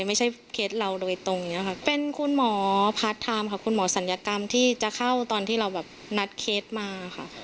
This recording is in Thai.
เคสเราโดยตรงเนี้ยค่ะเป็นคุณหมอพาร์ทไทม์ค่ะคุณหมอศัลยกรรมที่จะเข้าตอนที่เราแบบนัดเคสมาค่ะ